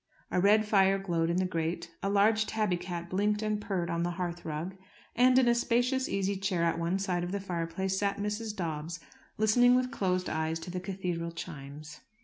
A red fire glowed in the grate, a large tabby cat blinked and purred on the hearthrug, and in a spacious easy chair at one side of the fireplace sat Mrs. Dobbs, listening with closed eyes to the cathedral chimes.